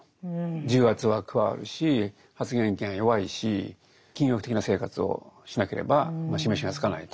重圧は加わるし発言権は弱いし禁欲的な生活をしなければ示しがつかないと。